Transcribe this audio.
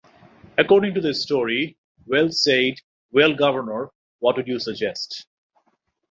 According to the story, Weld said: Well, Governor, what would you suggest?